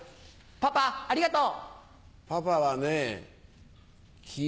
パパありがとう。